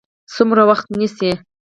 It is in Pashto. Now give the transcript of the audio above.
څومره وخت نیسي؟